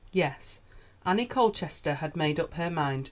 Yes, Annie Colchester had made up her mind.